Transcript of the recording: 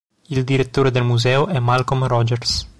Il direttore del museo è Malcolm Rogers.